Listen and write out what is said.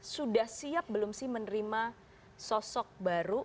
sudah siap belum sih menerima sosok baru